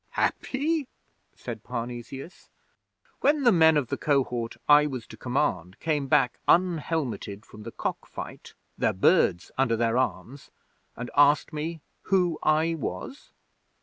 'Happy?' said Parnesius. 'When the men of the Cohort I was to command came back unhelmeted from the cock fight, their birds under their arms, and asked me who I was?